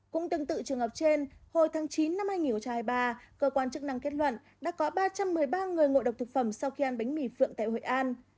cũng tương tự trường hợp trên hồi tháng chín năm hai nghìn hai mươi ba cơ quan chức năng kết luận đã có ba trăm một mươi ba người ngộ độc thực phẩm sau khi ăn bánh mì phượng tại hội an